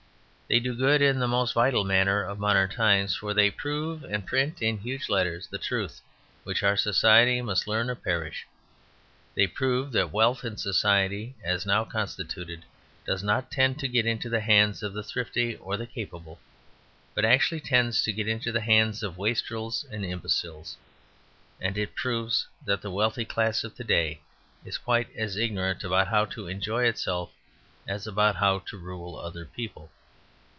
They do good in the most vital matter of modern times; for they prove and print in huge letters the truth which our society must learn or perish. They prove that wealth in society as now constituted does not tend to get into the hands of the thrifty or the capable, but actually tends to get into the hands of wastrels and imbeciles. And it proves that the wealthy class of to day is quite as ignorant about how to enjoy itself as about how to rule other people.